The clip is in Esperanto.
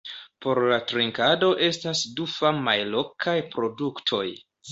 Por la trinkado estas du famaj lokaj produktoj.